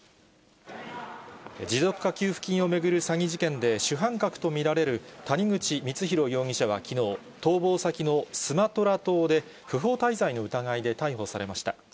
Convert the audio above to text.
持続化給付金を巡る詐欺事件で、主犯格と見られる谷口光弘容疑者はきのう、逃亡先のスマトラ島で、不法滞在の疑いで逮捕されました。